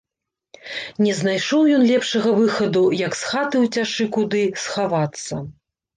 Не знайшоў ён лепшага выхаду, як з хаты ўцячы куды, схавацца.